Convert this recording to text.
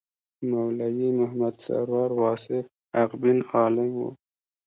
مولوي محمد سرور واصف حقبین عالم و.